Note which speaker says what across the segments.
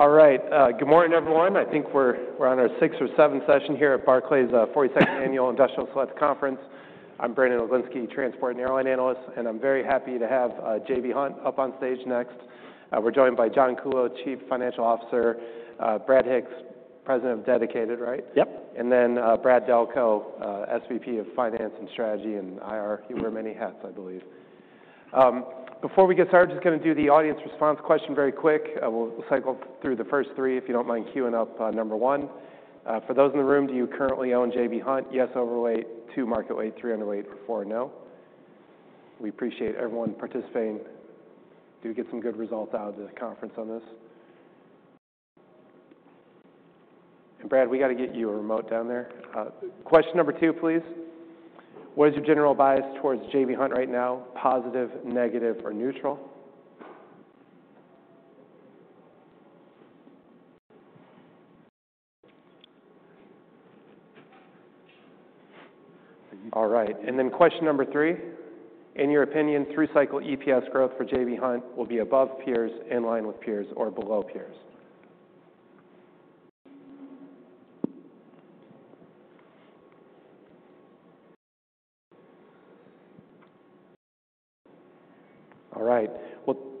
Speaker 1: All right. Good morning, everyone. I think we're on our sixth or seventh session here at Barclays' 42nd Annual Industrial Select Conference. I'm Brandon Oglenski, Transport and Airline Analyst, and I'm very happy to have J.B. Hunt up on stage next. We're joined by John Kuhlow, Chief Financial Officer; Brad Hicks, President of Dedicated, right?
Speaker 2: Yep.
Speaker 1: And then Brad Delco, SVP of Finance and Strategy and IR. You wear many hats, I believe. Before we get started, just going to do the audience response question very quick. We'll cycle through the first three, if you don't mind queuing up number one. For those in the room, do you currently own J.B. Hunt? Yes, overweight. Two, market weight. Three, underweight. Four, no. We appreciate everyone participating. Do get some good results out of the conference on this. And Brad, we got to get you a remote down there. Question number two, please. What is your general bias towards J.B. Hunt right now? Positive, negative, or neutral? All right. And then question number three. In your opinion, through cycle EPS growth for J.B. Hunt will be above peers, in line with peers, or below peers?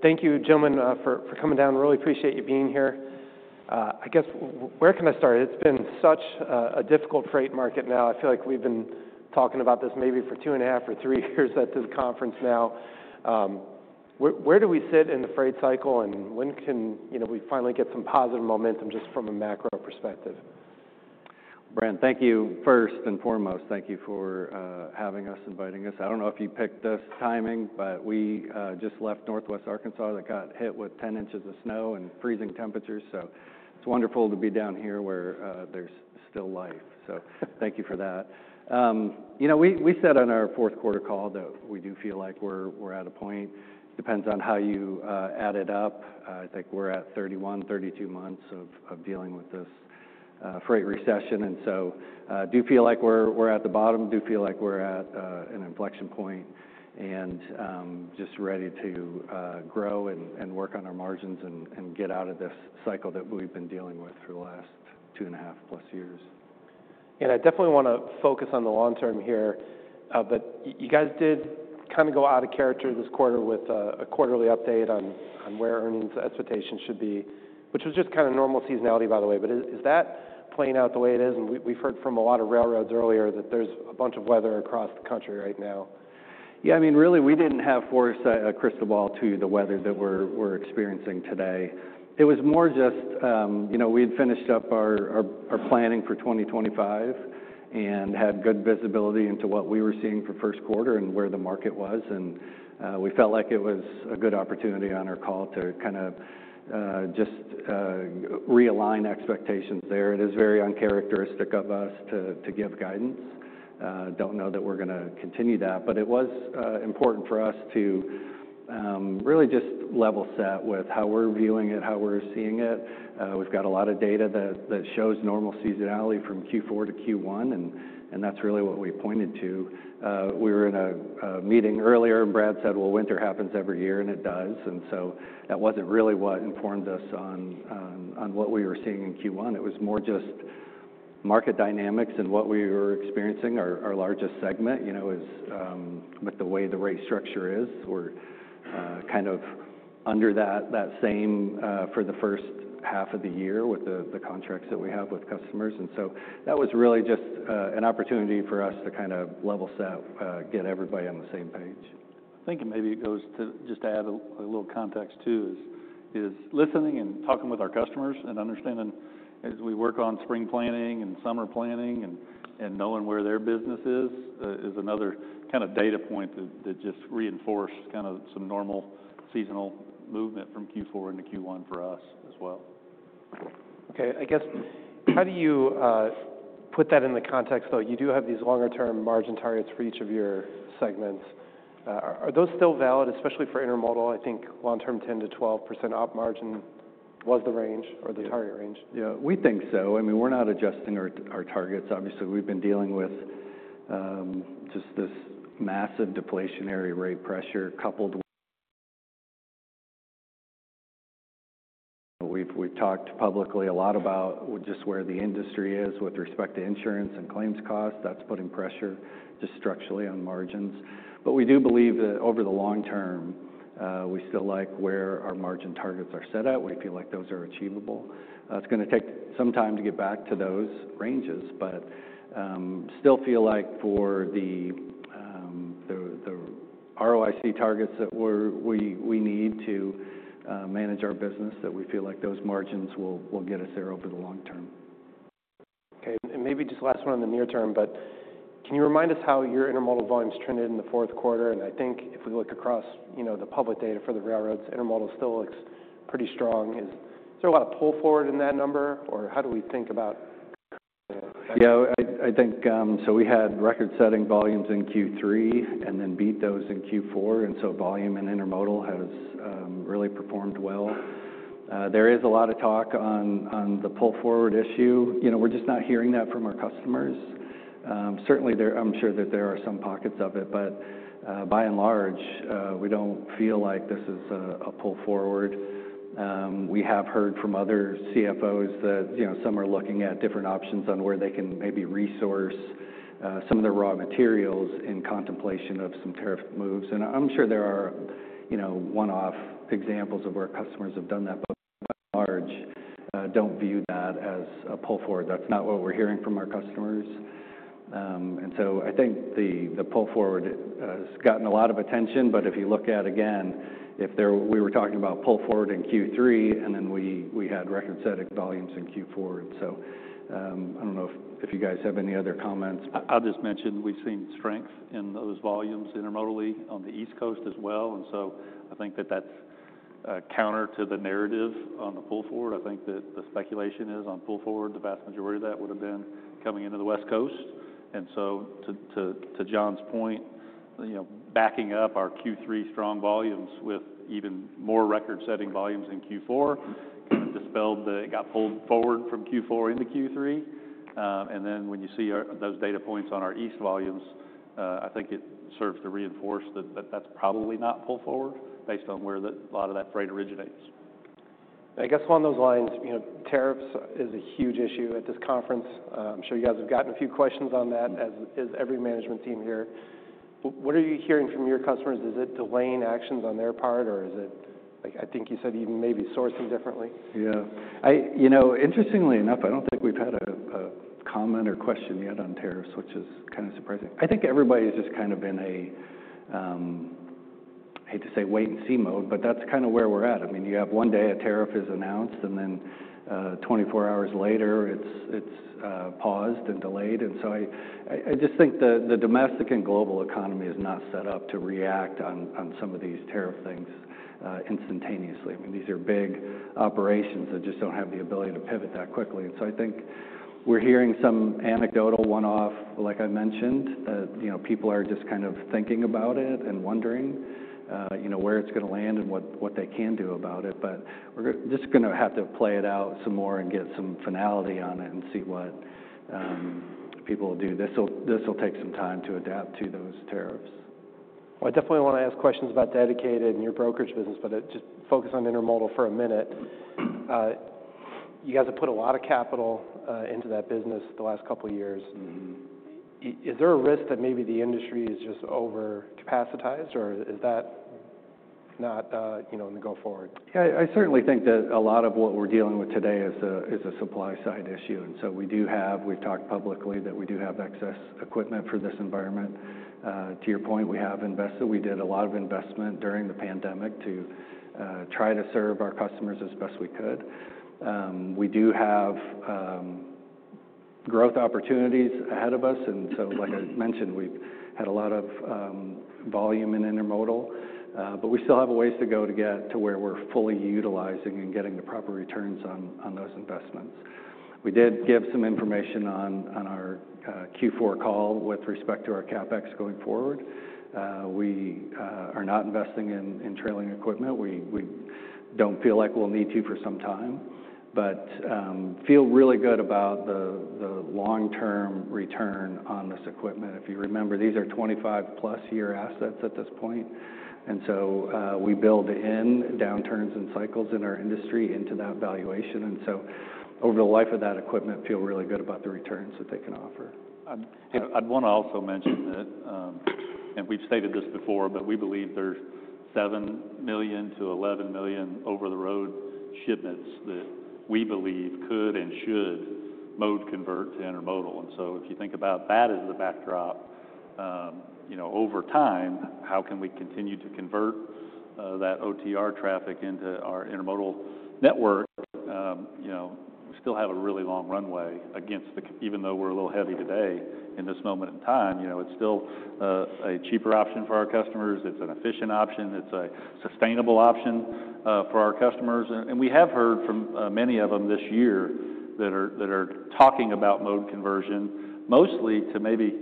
Speaker 1: All right. Well, thank you, gentlemen, for coming down. Really appreciate you being here. I guess, where can I start? It's been such a difficult freight market now. I feel like we've been talking about this maybe for two and a half or three years at this conference now. Where do we sit in the freight cycle, and when can we finally get some positive momentum just from a macro perspective?
Speaker 3: Brandon, thank you. First and foremost, thank you for having us, inviting us. I don't know if you picked this timing, but we just left Northwest Arkansas that got hit with 10 inches of snow and freezing temperatures. So it's wonderful to be down here where there's still life. So thank you for that. You know, we said on our Q4 call that we do feel like we're at a point. Depends on how you add it up. I think we're at 31, 32 months of dealing with this freight recession, and so do feel like we're at the bottom, do feel like we're at an inflection point, and just ready to grow and work on our margins and get out of this cycle that we've been dealing with for the last two and a half plus years.
Speaker 1: And I definitely want to focus on the long term here. But you guys did kind of go out of character this quarter with a quarterly update on where earnings expectations should be, which was just kind of normal seasonality, by the way. But is that playing out the way it is? And we've heard from a lot of railroads earlier that there's a bunch of weather across the country right now.
Speaker 3: Yeah, I mean, really, we didn't have a crystal ball to the weather that we're experiencing today. It was more just, you know, we had finished up our planning for 2025 and had good visibility into what we were seeing for Q1 and where the market was. And we felt like it was a good opportunity on our call to kind of just realign expectations there. It is very uncharacteristic of us to give guidance. Don't know that we're going to continue that. But it was important for us to really just level set with how we're viewing it, how we're seeing it. We've got a lot of data that shows normal seasonality from Q4 to Q1, and that's really what we pointed to. We were in a meeting earlier, and Brad said, well, winter happens every year, and it does. So that wasn't really what informed us on what we were seeing in Q1. It was more just market dynamics and what we were experiencing. Our largest segment, you know, is with the way the rate structure is. We're kind of under that same for the H1 of the year with the contracts that we have with customers. So that was really just an opportunity for us to kind of level set, get everybody on the same page.
Speaker 2: I think maybe it goes to just to add a little context too, is listening and talking with our customers and understanding as we work on spring planning and summer planning and knowing where their business is, is another kind of data point that just reinforced kind of some normal seasonal movement from Q4 into Q1 for us as well.
Speaker 1: Okay, I guess, how do you put that in the context, though? You do have these longer-term margin targets for each of your segments. Are those still valid, especially for intermodal? I think long-term 10%-12% op margin was the range or the target range.
Speaker 3: Yeah, we think so. I mean, we're not adjusting our targets. Obviously, we've been dealing with just this massive deflationary rate pressure coupled. We've talked publicly a lot about just where the industry is with respect to insurance and claims costs. That's putting pressure just structurally on margins. But we do believe that over the long term, we still like where our margin targets are set at. We feel like those are achievable. It's going to take some time to get back to those ranges, but still feel like for the ROIC targets that we need to manage our business, that we feel like those margins will get us there over the long term.
Speaker 1: Okay, and maybe just last one on the near term, but can you remind us how your intermodal volumes trended in the Q4? And I think if we look across the public data for the railroads, intermodal still looks pretty strong. Is there a lot of pull forward in that number, or how do we think about?
Speaker 3: Yeah, I think so we had record-setting volumes in Q3 and then beat those in Q4, and so volume and intermodal has really performed well. There is a lot of talk on the pull forward issue. You know, we're just not hearing that from our customers. Certainly, I'm sure that there are some pockets of it, but by and large, we don't feel like this is a pull forward. We have heard from other CFOs that some are looking at different options on where they can maybe re-source some of the raw materials in contemplation of some tariff moves, and I'm sure there are one-off examples of where customers have done that, but by and large, don't view that as a pull forward. That's not what we're hearing from our customers, and so I think the pull forward has gotten a lot of attention. But if you look at, again, if we were talking about pull forward in Q3, and then we had record-setting volumes in Q4. And so I don't know if you guys have any other comments.
Speaker 2: I'll just mention we've seen strength in those volumes intermodally on the East Coast as well. And so I think that that's counter to the narrative on the pull forward. I think that the speculation is on pull forward, the vast majority of that would have been coming into the West Coast. And so to John's point, backing up our Q3 strong volumes with even more record-setting volumes in Q4 kind of dispelled the it got pulled forward from Q4 into Q3. And then when you see those data points on our East volumes, I think it serves to reinforce that that's probably not pull forward based on where a lot of that freight originates.
Speaker 1: I guess along those lines, tariffs is a huge issue at this conference. I'm sure you guys have gotten a few questions on that, as is every management team here. What are you hearing from your customers? Is it delaying actions on their part, or is it, I think you said, even maybe sourcing differently?
Speaker 3: Yeah. You know, interestingly enough, I don't think we've had a comment or question yet on tariffs, which is kind of surprising. I think everybody has just kind of been a, I hate to say, wait-and see mode, but that's kind of where we're at. I mean, you have one day a tariff is announced, and then 24 hours later, it's paused and delayed. And so I just think the domestic and global economy is not set up to react on some of these tariff things instantaneously. I mean, these are big operations that just don't have the ability to pivot that quickly. And so I think we're hearing some anecdotal one-off, like I mentioned, that people are just kind of thinking about it and wondering where it's going to land and what they can do about it. But we're just going to have to play it out some more and get some finality on it and see what people will do. This will take some time to adapt to those tariffs.
Speaker 1: I definitely want to ask questions about dedicated and your brokerage business, but just focus on intermodal for a minute. You guys have put a lot of capital into that business the last couple of years. Is there a risk that maybe the industry is just overcapacitated, or is that not in the going forward?
Speaker 3: Yeah, I certainly think that a lot of what we're dealing with today is a supply-side issue. And so we do have. We've talked publicly that we do have excess equipment for this environment. To your point, we have invested. We did a lot of investment during the pandemic to try to serve our customers as best we could. We do have growth opportunities ahead of us. And so, like I mentioned, we've had a lot of volume in intermodal, but we still have a ways to go to get to where we're fully utilizing and getting the proper returns on those investments. We did give some information on our Q4 call with respect to our CapEx going forward. We are not investing in trailer equipment. We don't feel like we'll need to for some time, but feel really good about the long-term return on this equipment. If you remember, these are 25-plus year assets at this point. And so we build in downturns and cycles in our industry into that valuation. And so over the life of that equipment, feel really good about the returns that they can offer.
Speaker 2: I'd want to also mention that, and we've stated this before, but we believe there's 7 million-11 million over-the-road shipments that we believe could and should mode convert to intermodal. And so if you think about that as the backdrop, over time, how can we continue to convert that OTR traffic into our intermodal network? We still have a really long runway against the, even though we're a little heavy today in this moment in time, it's still a cheaper option for our customers. It's an efficient option. It's a sustainable option for our customers. And we have heard from many of them this year that are talking about mode conversion, mostly to maybe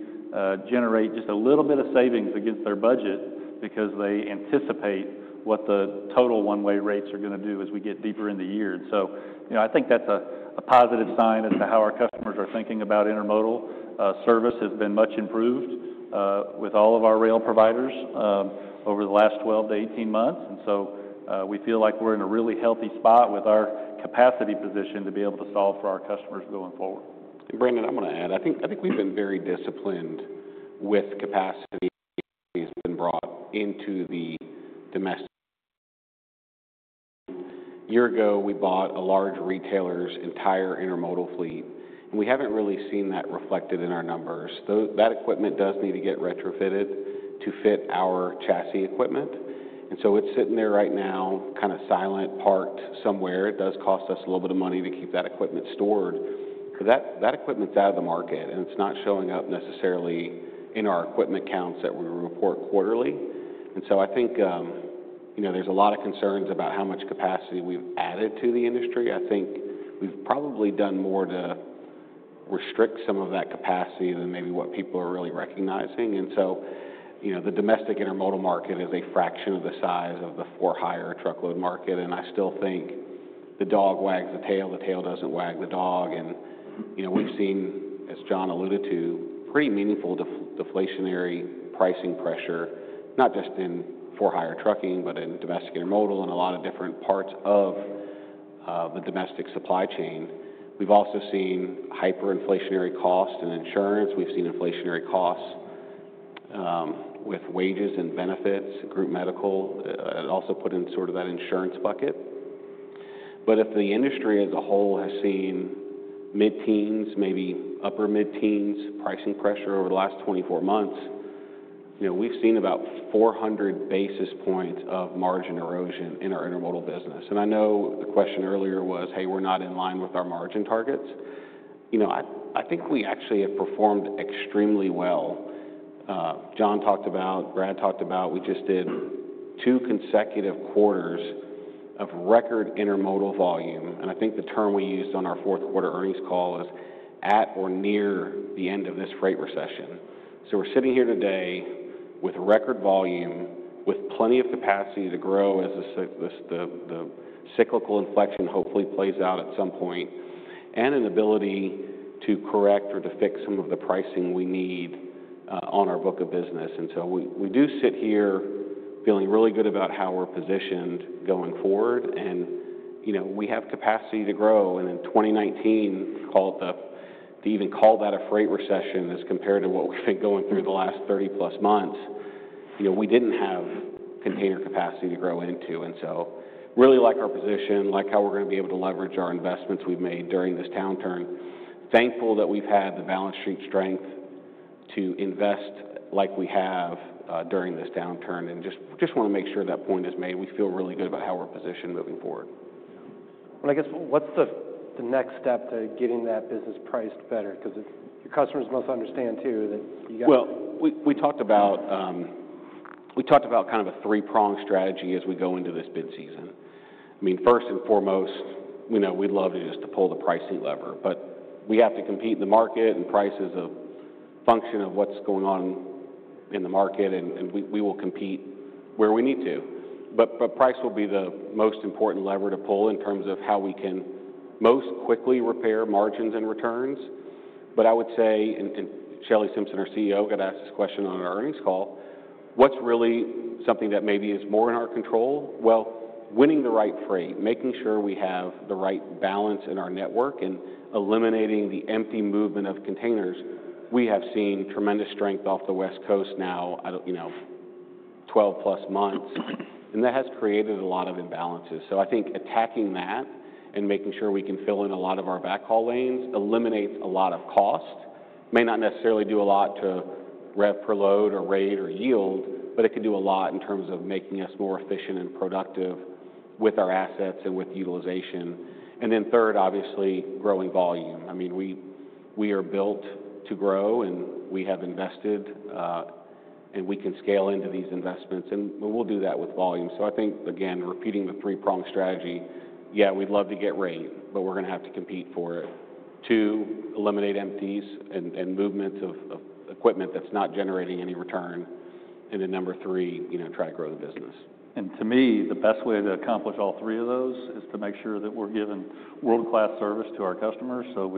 Speaker 2: generate just a little bit of savings against their budget because they anticipate what the total one-way rates are going to do as we get deeper in the year. And so I think that's a positive sign as to how our customers are thinking about intermodal. Service has been much improved with all of our rail providers over the last 12 to 18 months. And so we feel like we're in a really healthy spot with our capacity position to be able to solve for our customers going forward.
Speaker 4: Brandon, I want to add. I think we've been very disciplined with capacity that has been brought into the domestic. A year ago, we bought a large retailer's entire intermodal fleet, and we haven't really seen that reflected in our numbers. That equipment does need to get retrofitted to fit our chassis equipment, and so it's sitting there right now, kind of silent, parked somewhere. It does cost us a little bit of money to keep that equipment stored, but that equipment's out of the market, and it's not showing up necessarily in our equipment counts that we report quarterly, and so I think there's a lot of concerns about how much capacity we've added to the industry. I think we've probably done more to restrict some of that capacity than maybe what people are really recognizing. So the domestic intermodal market is a fraction of the size of the for-hire truckload market. And I still think the dog wags the tail, the tail doesn't wag the dog. And we've seen, as John alluded to, pretty meaningful deflationary pricing pressure, not just in for-hire trucking, but in domestic intermodal and a lot of different parts of the domestic supply chain. We've also seen hyperinflationary costs in insurance. We've seen inflationary costs with wages and benefits, group medical, also put in sort of that insurance bucket. But if the industry as a whole has seen mid-teens, maybe upper mid-teens pricing pressure over the last 24 months, we've seen about 400 basis points of margin erosion in our intermodal business. And I know the question earlier was, hey, we're not in line with our margin targets. I think we actually have performed extremely well. John talked about, Brad talked about. We just did two consecutive quarters of record intermodal volume, and I think the term we used on our Q4 earnings call is at or near the end of this freight recession, so we're sitting here today with record volume, with plenty of capacity to grow as the cyclical inflection hopefully plays out at some point, and an ability to correct or to fix some of the pricing we need on our book of business, and so we do sit here feeling really good about how we're positioned going forward, and we have capacity to grow, and in 2019, to even call that a freight recession as compared to what we've been going through the last 30-plus months, we didn't have container capacity to grow into. And so really like our position, like how we're going to be able to leverage our investments we've made during this downturn. Thankful that we've had the balance sheet strength to invest like we have during this downturn. And just want to make sure that point is made. We feel really good about how we're positioned moving forward.
Speaker 1: I guess what's the next step to getting that business priced better? Because your customers must understand too that you guys.
Speaker 4: Well, we talked about kind of a three-pronged strategy as we go into this bid season. I mean, first and foremost, we'd love just to pull the pricing lever. But we have to compete in the market, and price is a function of what's going on in the market, and we will compete where we need to. But price will be the most important lever to pull in terms of how we can most quickly repair margins and returns. But I would say, and Shelley Simpson, our CEO, got asked this question on our earnings call, what's really something that maybe is more in our control? Well, winning the right freight, making sure we have the right balance in our network, and eliminating the empty movement of containers. We have seen tremendous strength off the West Coast now, 12-plus months, and that has created a lot of imbalances. I think attacking that and making sure we can fill in a lot of our backhaul lanes eliminates a lot of cost. It may not necessarily do a lot to rev per load or rate or yield, but it can do a lot in terms of making us more efficient and productive with our assets and with utilization. And then third, obviously, growing volume. I mean, we are built to grow, and we have invested, and we can scale into these investments. And we'll do that with volume. So I think, again, repeating the three-pronged strategy, yeah, we'd love to get rate, but we're going to have to compete for it. Two, eliminate empties and movement of equipment that's not generating any return. And then number three, try to grow the business.
Speaker 3: And to me, the best way to accomplish all three of those is to make sure that we're giving world-class service to our customers. So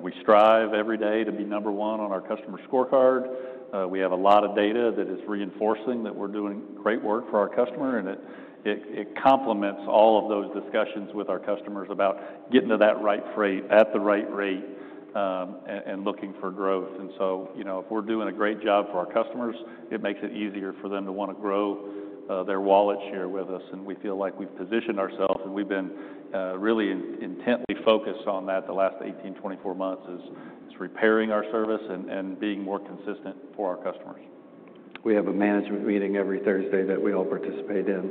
Speaker 3: we strive every day to be number one on our customer scorecard. We have a lot of data that is reinforcing that we're doing great work for our customer, and it complements all of those discussions with our customers about getting to that right freight at the right rate and looking for growth. And so if we're doing a great job for our customers, it makes it easier for them to want to grow their wallet share with us. And we feel like we've positioned ourselves, and we've been really intently focused on that the last 18-24 months, is repairing our service and being more consistent for our customers.
Speaker 4: We have a management meeting every Thursday that we all participate in,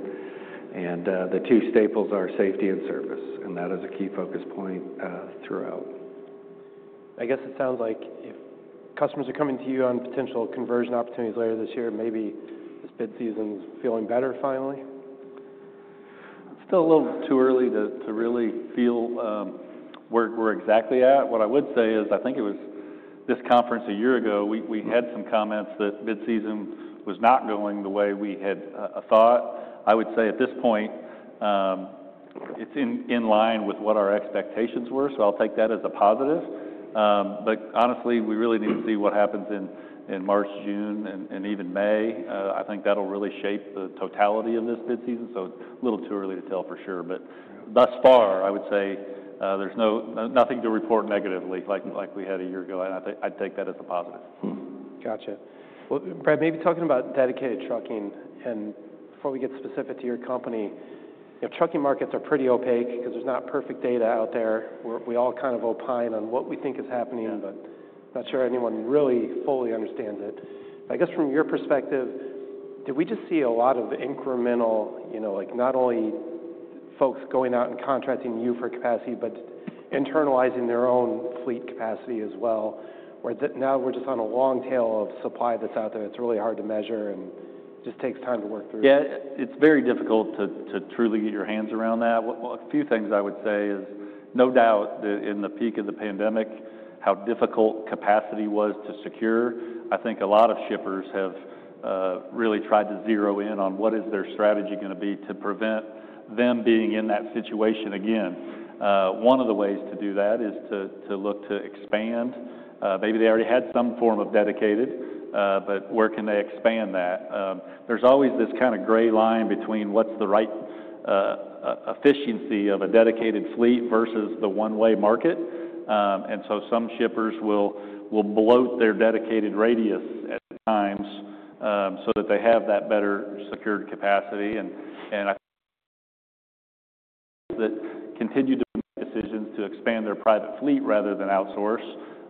Speaker 4: and the two staples are safety and service, and that is a key focus point throughout.
Speaker 1: I guess it sounds like if customers are coming to you on potential conversion opportunities later this year, maybe this bid season's feeling better finally.
Speaker 3: Still a little too early to really feel where we're exactly at. What I would say is I think it was this conference a year ago, we had some comments that bid season was not going the way we had thought. I would say at this point, it's in line with what our expectations were, so I'll take that as a positive, but honestly, we really need to see what happens in March, June, and even May. I think that'll really shape the totality of this bid season, so a little too early to tell for sure, but thus far, I would say there's nothing to report negatively like we had a year ago, and I'd take that as a positive.
Speaker 1: Gotcha. Well, Brad, maybe talking about dedicated trucking, and before we get specific to your company, trucking markets are pretty opaque because there's not perfect data out there. We all kind of opine on what we think is happening, but I'm not sure anyone really fully understands it. I guess from your perspective, did we just see a lot of incremental, not only folks going out and contracting new for capacity, but internalizing their own fleet capacity as well, where now we're just on a long tail of supply that's out there that's really hard to measure and just takes time to work through?
Speaker 2: Yeah, it's very difficult to truly get your hands around that. A few things I would say is no doubt that in the peak of the pandemic, how difficult capacity was to secure. I think a lot of shippers have really tried to zero in on what is their strategy going to be to prevent them being in that situation again. One of the ways to do that is to look to expand. Maybe they already had some form of dedicated, but where can they expand that? There's always this kind of gray line between what's the right efficiency of a dedicated fleet versus the one-way market. And so some shippers will bloat their dedicated radius at times so that they have that better secured capacity. And I think that continue to make decisions to expand their private fleet rather than outsource.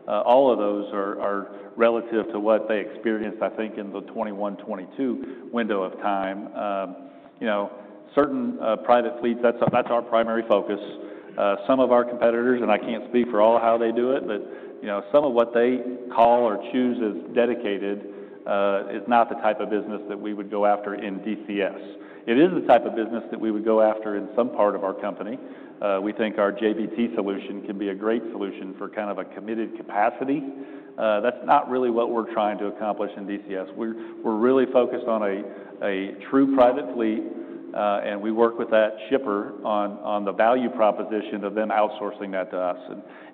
Speaker 2: All of those are relative to what they experienced, I think, in the 2021, 2022 window of time. Certain private fleets, that's our primary focus. Some of our competitors, and I can't speak for all how they do it, but some of what they call or choose as dedicated is not the type of business that we would go after in DCS. It is the type of business that we would go after in some part of our company. We think our JBT solution can be a great solution for kind of a committed capacity. That's not really what we're trying to accomplish in DCS. We're really focused on a true private fleet, and we work with that shipper on the value proposition of them outsourcing that to us.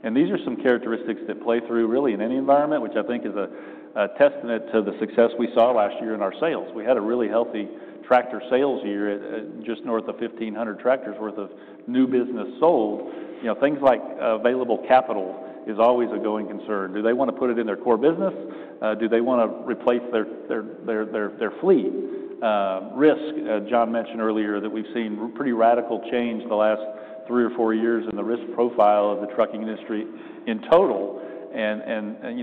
Speaker 2: And these are some characteristics that play through really in any environment, which I think is a testament to the success we saw last year in our sales. We had a really healthy tractor sales year just north of 1,500 tractors' worth of new business sold. Things like available capital is always a going concern. Do they want to put it in their core business? Do they want to replace their fleet? Risk, John mentioned earlier that we've seen pretty radical change the last three or four years in the risk profile of the trucking industry in total. And that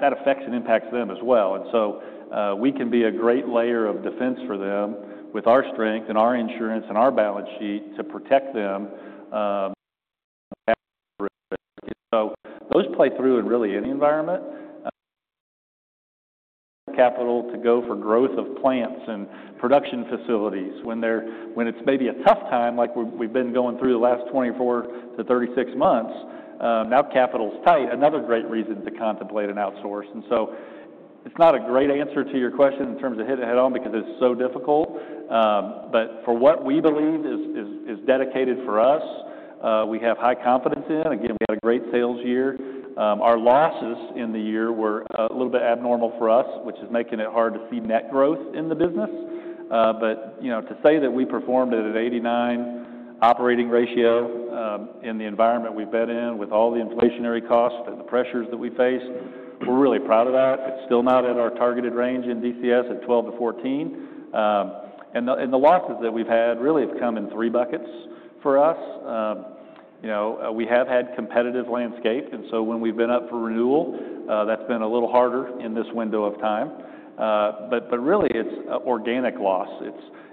Speaker 2: not only affects and impacts them as well. And so we can be a great layer of defense for them with our strength and our insurance and our balance sheet to protect them from the risk. So those play through in really any environment. Capital to go for growth of plants and production facilities. When it's maybe a tough time, like we've been going through the last 24-36 months, now capital's tight, another great reason to contemplate an outsource. And so it's not a great answer to your question in terms of what's ahead on because it's so difficult. But for what we believe is dedicated for us, we have high confidence in. Again, we had a great sales year. Our losses in the year were a little bit abnormal for us, which is making it hard to see net growth in the business. But to say that we performed at an 89% operating ratio in the environment we've been in with all the inflationary costs and the pressures that we faced, we're really proud of that. It's still not at our targeted range in DCS at 12%-14%. And the losses that we've had really have come in three buckets for us. We have had competitive landscape, and so when we've been up for renewal, that's been a little harder in this window of time. But really, it's organic loss.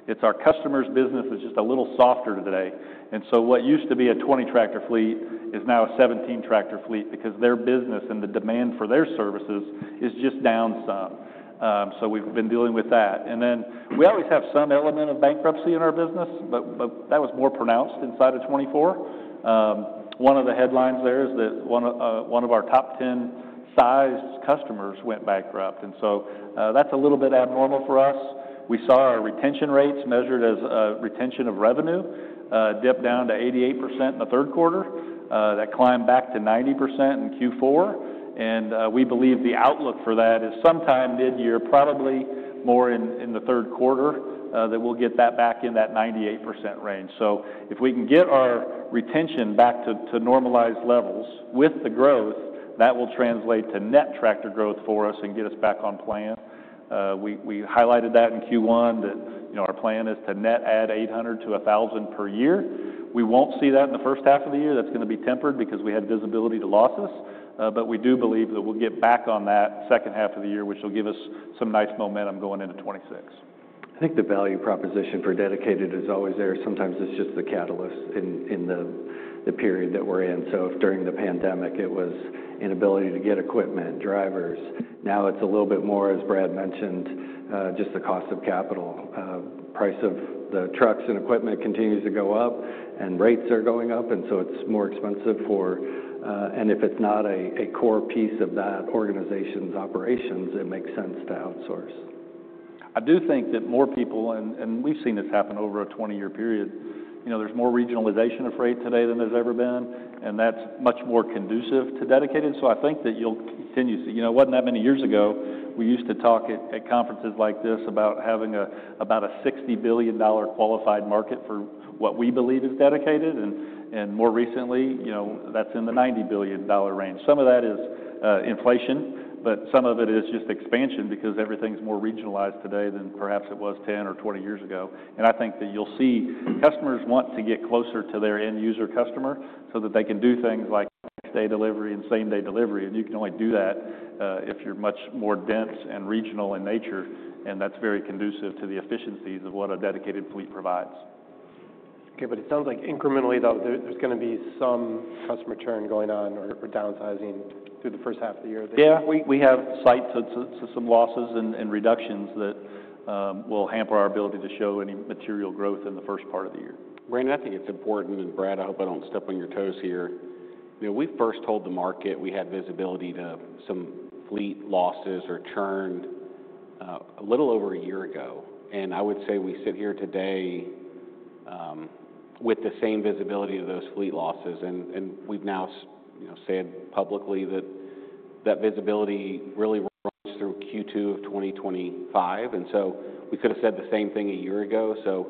Speaker 2: It's our customers' business is just a little softer today. And so what used to be a 20-tractor fleet is now a 17-tractor fleet because their business and the demand for their services is just down some. So we've been dealing with that. And then we always have some element of bankruptcy in our business, but that was more pronounced inside of 2024. One of the headlines there is that one of our top 10 sized customers went bankrupt. And so that's a little bit abnormal for us. We saw our retention rates measured as retention of revenue dip down to 88% in the Q3. That climbed back to 90% in Q4, and we believe the outlook for that is sometime mid-year, probably more in the Q3, that we'll get that back in that 98% range, so if we can get our retention back to normalized levels with the growth, that will translate to net tractor growth for us and get us back on plan. We highlighted that in Q1 that our plan is to net add 800-1,000 per year. We won't see that in the H1 of the year. That's going to be tempered because we had visibility to losses, but we do believe that we'll get back on that H2 of the year, which will give us some nice momentum going into 2026.
Speaker 3: I think the value proposition for dedicated is always there. Sometimes it's just the catalyst in the period that we're in. So if during the pandemic it was inability to get equipment, drivers, now it's a little bit more, as Brad mentioned, just the cost of capital. Price of the trucks and equipment continues to go up, and rates are going up, and so it's more expensive for, and if it's not a core piece of that organization's operations, it makes sense to outsource.
Speaker 2: I do think that more people, and we've seen this happen over a 20-year period, there's more regionalization of freight today than there's ever been, and that's much more conducive to dedicated. So I think that you'll continue to see. You know, it wasn't that many years ago, we used to talk at conferences like this about having about a $60 billion qualified market for what we believe is dedicated. And more recently, that's in the $90 billion range. Some of that is inflation, but some of it is just expansion because everything's more regionalized today than perhaps it was 10 or 20 years ago. And I think that you'll see customers want to get closer to their end user customer so that they can do things like next-day delivery and same-day delivery. You can only do that if you're much more dense and regional in nature, and that's very conducive to the efficiencies of what a dedicated fleet provides.
Speaker 1: Okay, but it sounds like incrementally, though, there's going to be some customer churn going on or downsizing through the H1 of the year.
Speaker 2: Yeah, we have cited some losses and reductions that will hamper our ability to show any material growth in the first part of the year.
Speaker 3: Brandon, I think it's important, and Brad, I hope I don't step on your toes here. We first told the market we had visibility to some fleet losses or churn a little over a year ago. And I would say we sit here today with the same visibility of those fleet losses. And we've now said publicly that that visibility really runs through Q2 of 2025. And so we could have said the same thing a year ago. So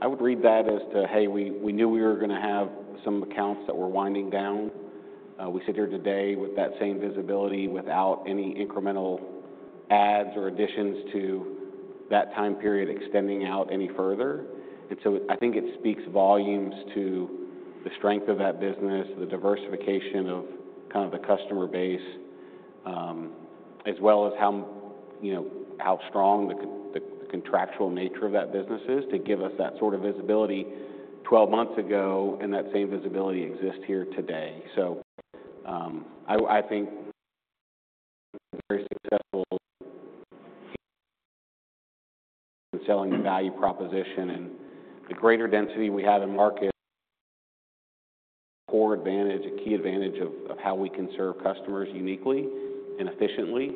Speaker 3: I would read that as to, hey, we knew we were going to have some accounts that were winding down. We sit here today with that same visibility without any incremental adds or additions to that time period extending out any further. And so I think it speaks volumes to the strength of that business, the diversification of kind of the customer base, as well as how strong the contractual nature of that business is to give us that sort of visibility 12 months ago, and that same visibility exists here today, so I think very successful in selling the value proposition and the greater density we have in market, core advantage, a key advantage of how we can serve customers uniquely and efficiently.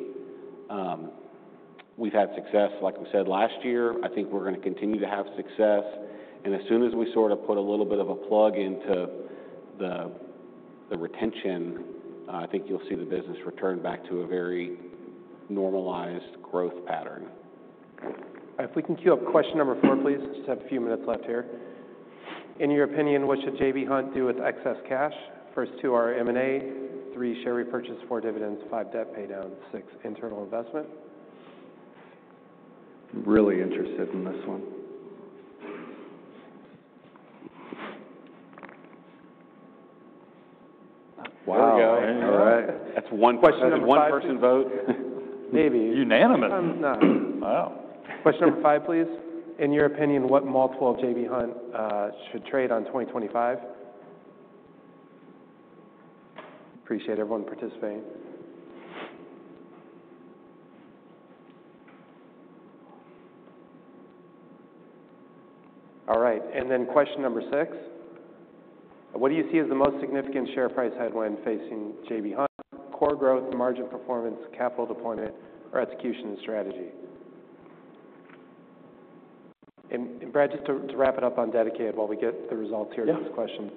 Speaker 3: We've had success, like we said last year. I think we're going to continue to have success, and as soon as we sort of put a little bit of a plug into the retention, I think you'll see the business return back to a very normalized growth pattern.
Speaker 1: If we can queue up question number four, please. Just have a few minutes left here. In your opinion, what should J.B. Hunt do with excess cash? First, two are M&A, three, share repurchase, four, dividends, five, debt paydown, six, internal investment.
Speaker 3: Really interested in this one.
Speaker 1: Question number five, please. In your opinion, what multiple J.B. Hunt should trade on in 2025? Appreciate everyone participating. All right. And then question number six. What do you see as the most significant share price headwind facing J.B. Hunt? Core growth, margin performance, capital deployment, or execution and strategy? And Brad, just to wrap it up on dedicated while we get the results here to this question.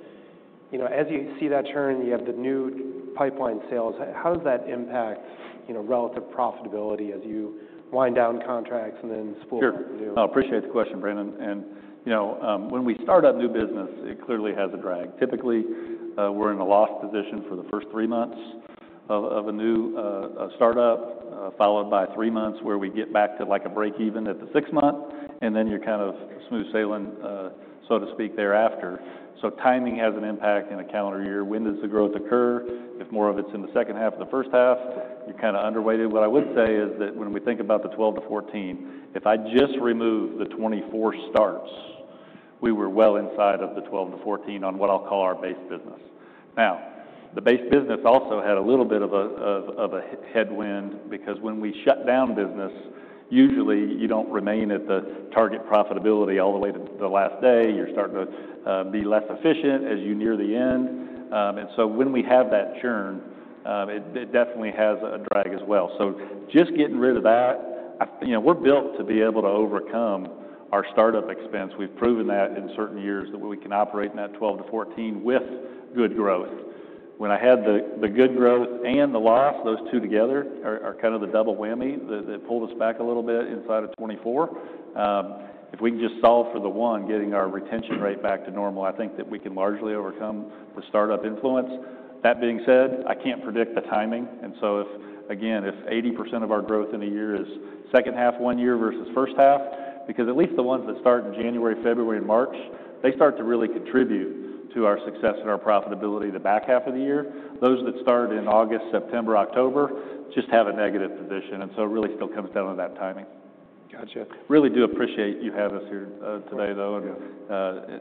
Speaker 1: As you see that churn, you have the new pipeline sales. How does that impact relative profitability as you wind down contracts and then spool up new?
Speaker 4: Sure. I appreciate the question, Brandon, and when we start up new business, it clearly has a drag. Typically, we're in a loss position for the first three months of a new startup, followed by three months where we get back to like a break even at the six-month, and then you're kind of smooth sailing, so to speak, thereafter, so timing has an impact in a calendar year. When does the growth occur? If more of it's in the H2 of the H1, you're kind of underweighted. What I would say is that when we think about the 12-14, if I just remove the 24 starts, we were well inside of the 12-14 on what I'll call our base business. Now, the base business also had a little bit of a headwind because when we shut down business, usually you don't remain at the target profitability all the way to the last day. You're starting to be less efficient as you near the end, and so when we have that churn, it definitely has a drag as well, so just getting rid of that, we're built to be able to overcome our startup expense. We've proven that in certain years that we can operate in that 12%-14% with good growth. When I had the good growth and the loss, those two together are kind of the double whammy that pulled us back a little bit inside of 2024. If we can just solve for the one, getting our retention rate back to normal, I think that we can largely overcome the startup influence. That being said, I can't predict the timing, and so again, if 80% of our growth in a year is H2 one year versus H1, because at least the ones that start in January, February, and March, they start to really contribute to our success and our profitability the back half of the year. Those that start in August, September, October just have a negative position, and so it really still comes down to that timing.
Speaker 1: Gotcha.
Speaker 4: Really do appreciate you having us here today, though,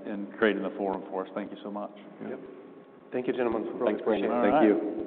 Speaker 4: and creating the forum for us. Thank you so much.
Speaker 1: Thank you, gentlemen.
Speaker 4: Thanks, Brandon. Thank you.